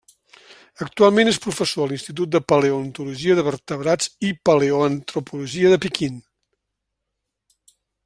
Actualment és professor a l'Institut de Paleontologia de Vertebrats i Paleoantropologia de Pequín.